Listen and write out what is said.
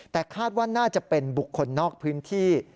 แต่คาดว่าน่าจะเป็นบุคคลนอกพื้นที่